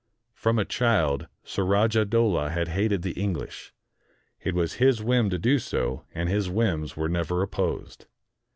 From a child Surajah Dowlah had hated the English. It was his whim to do so ; and his whims were never op posed.